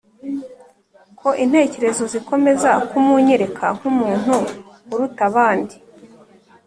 ko intekerezo zikomeza kumunyereka nkumuntu uruta abandi?"